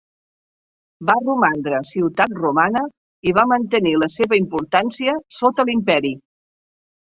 Va romandre ciutat romana i va mantenir la seva importància sota l'Imperi.